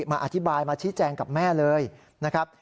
มาอธิบายมาชี้แจงกับแม่เลยนะครับ